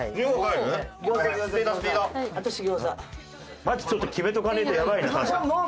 マジちょっと決めとかねえとやばいな確かに。